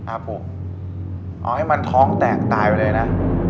ครับผมเอาให้มันท้องแตกตายไปเลยนะ